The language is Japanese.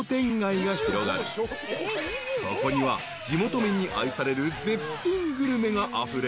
［そこには地元民に愛される絶品グルメがあふれ］